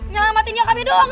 selamatin nyokapnya doang